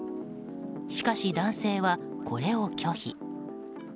しかし男性は、これを拒否。